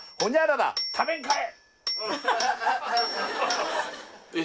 「○○食べんかえ！」